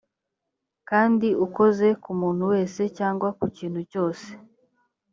kandi ukoze ku muntu wese cyangwa ku kintu cyose